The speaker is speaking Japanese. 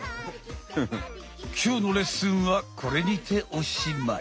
きょうのレッスンはこれにておしまい。